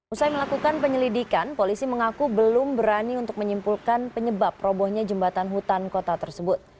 usai melakukan penyelidikan polisi mengaku belum berani untuk menyimpulkan penyebab robohnya jembatan hutan kota tersebut